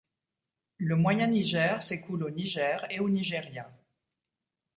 Le moyen Niger s'écoule au Niger et au Nigeria.